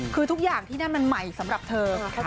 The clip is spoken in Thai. คือทุกอย่างที่นั่นมันใหม่สำหรับเธอ